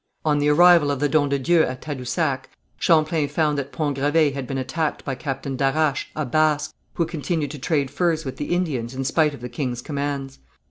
On the arrival of the Don de Dieu at Tadousac, Champlain found that Pont Gravé had been attacked by Captain Darache, a Basque, who continued to trade furs with the Indians in spite of the king's commands.